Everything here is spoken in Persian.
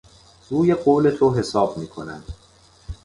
روی قول تو حساب میکنم.